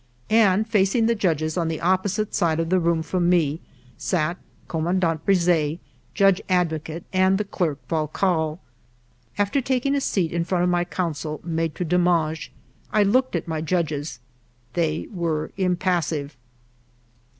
And facing the judges on the opposite side of the room from me sat Commandant Brisset, Judge Advocate, and the clerk, Vallecalle. After taking a seat in front of my counsel, Maitre Demange, I looked at my judges. They were impassive.